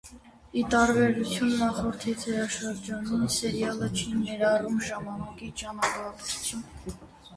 Ի տարբերություն նախորդ եթերաշրջանին սերիալը չի ներառում ժամանակի ճանապարհորդություն։